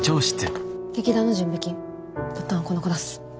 劇団の準備金とったんはこの子だす。